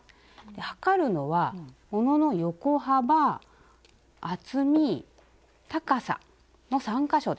測るのは物の横幅厚み高さの３か所です。